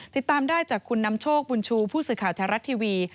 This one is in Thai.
ติดตามได้จากคุณนำโชคบุญชูผู้สื่อข่าวแท้รัฐทีวี